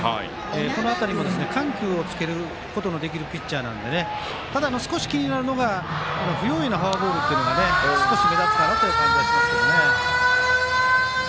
この辺りも緩急をつけることのできるピッチャーなのでただ、少し気になるのが不用意なフォアボールが少し目立つかなという感じはしますけどね。